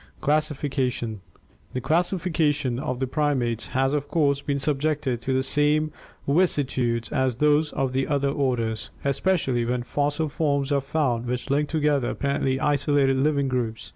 Classification The classification of the primates has of course been subjected to the same vicissitudes as those of other orders, especially when fossil forms are found which link together apparently isolated living groups.